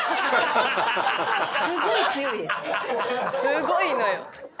すごいのよ。